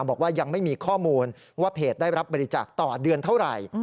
บอกว่ายังไม่มีข้อมูลว่าเพจได้รับบริจาคต่อเดือนเท่าไหร่